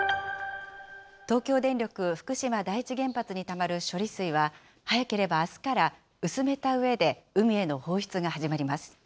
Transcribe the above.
東京電力福島第一原発にたまる処理水は、早ければあすから薄めたうえで海への放出が始まります。